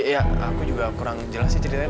ya aku juga kurang jelas sih ceritanya